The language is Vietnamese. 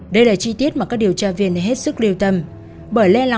đây là chi tiết mà các điều tra viên đã hết sức điều tra